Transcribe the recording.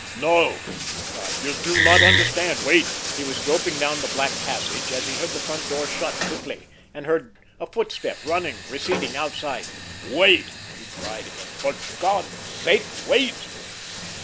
"No!" he cried. "You do not understand. Wait!" He was groping down the black passage, as he heard the front door shut quickly, and heard a footstep running, receding, outside. "Wait!" he cried again. "For God's sake, wait!"